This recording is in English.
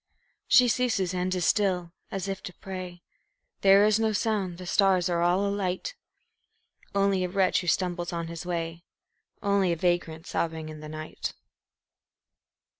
She ceases and is still, as if to pray; There is no sound, the stars are all alight Only a wretch who stumbles on his way, Only a vagrant sobbing in the night.